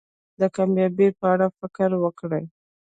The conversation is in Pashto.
د کامیابی په اړه فکر وکړی.